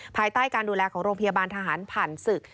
ภายใต้การดูแลของโรงพยาบาลทหารผ่านศึก